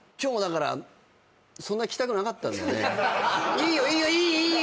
いいよいいよいいいい